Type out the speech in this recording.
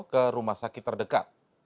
ke rumah sakit terdekat